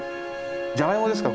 じゃがいもですか？